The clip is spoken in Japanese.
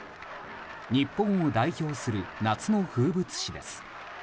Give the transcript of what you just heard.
日本を代表する夏の風物詩です。